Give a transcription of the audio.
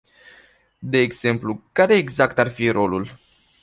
De exemplu, care exact ar fi rolul?